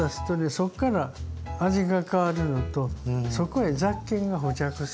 そこから味が変わるのとそこへ雑菌が付着するの。